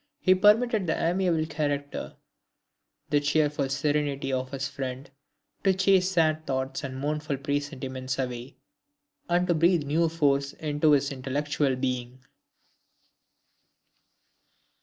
He permitted the amiable character, the cheerful serenity of his friend to chase sad thoughts and mournful presentiments away, and to breathe new force into his intellectual being."